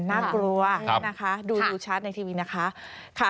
น่ากลัวนะคะดูชัดในทีวีนะคะ